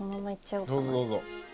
どうぞどうぞ。